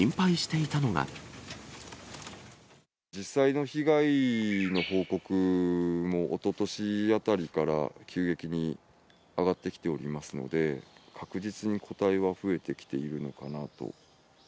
実際の被害の報告も、おととしあたりから急激に上がってきておりますので、確実に個体は増えてきているのかなと。